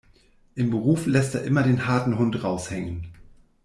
Im Beruf lässt er immer den harten Hund raushängen.